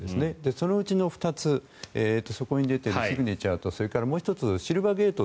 そのうちの２つ、そこに出ているシグネチャーとそれからもう１つ、銀行。